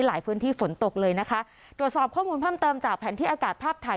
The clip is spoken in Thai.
พื้นที่ฝนตกเลยนะคะตรวจสอบข้อมูลเพิ่มเติมจากแผนที่อากาศภาพถ่าย